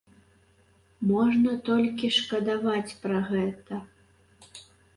Можна толькі шкадаваць пра гэта.